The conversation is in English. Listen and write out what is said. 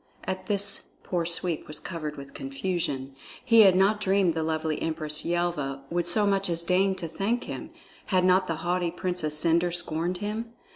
At this poor Sweep was covered with confusion. He had not dreamed the lovely Empress Yelva would so much as deign to thank him; had not the haughty Princess Cendre scorned him?